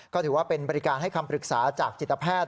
ก็ถือว่าเป็นบริการให้คำปรึกษาจากจิตแพทย์